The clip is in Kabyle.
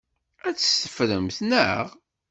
Ad t-teffremt, naɣ?